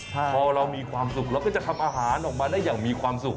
พอเรามีความสุขเราก็จะทำอาหารออกมาได้อย่างมีความสุข